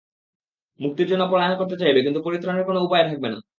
মুক্তির জন্যে পলায়ন করতে চাইবে, কিন্তু পবিত্রাণের কোনই উপায় থাকবে না।